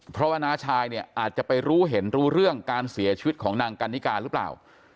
เพราะว่าน้าชายเนี่ยอาจจะไปรู้เห็นรู้เรื่องการเสียชีวิตของนางกันนิกาหรือเปล่า